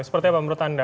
seperti apa menurut anda